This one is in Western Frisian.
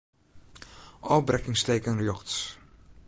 Ofbrekkingsteken rjochts.